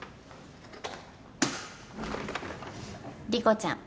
莉子ちゃん